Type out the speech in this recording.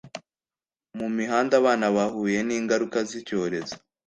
mu mihanda abana bahuye n ingaruka z icyorezo